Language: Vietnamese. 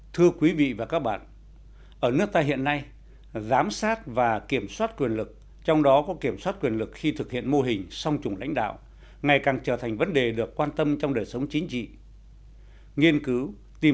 thưa quý vị và các bạn ở nước ta hiện nay giám sát và kiểm soát quyền lực trong đó có kiểm soát quyền lực khi thực hiện mô hình song trùng lãnh đạo ngày càng trở thành vấn đề được quan tâm trong đời sống chính trị